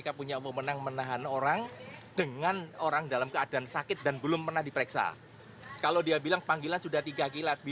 keputusan itu pun ditentang oleh kuasa hukum setia novanto frederick yunadi